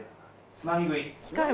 つまみ食い。